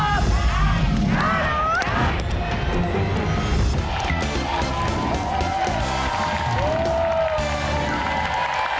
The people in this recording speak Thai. จวบลง